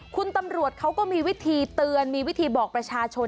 คุณตำรวจเขาก็มีวิธีเตือนมีวิธีบอกประชาชน